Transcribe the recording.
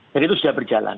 jadi itu sudah berjalan